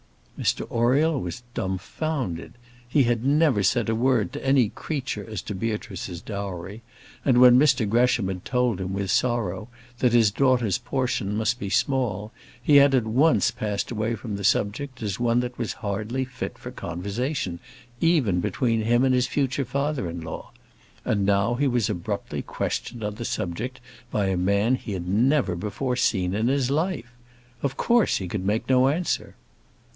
Mr Oriel was dumbfounded. He had never said a word to any creature as to Beatrice's dowry; and when Mr Gresham had told him, with sorrow, that his daughter's portion must be small, he had at once passed away from the subject as one that was hardly fit for conversation, even between him and his future father in law; and now he was abruptly questioned on the subject by a man he had never before seen in his life. Of course, he could make no answer.